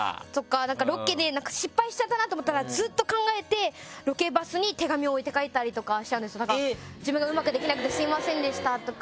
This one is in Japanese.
ロケで失敗しちゃったなと思ったら、ずっと考えてロケバスに手紙を置いて帰ったりとかとか自分がうまくできなくてすみませんでしたとか。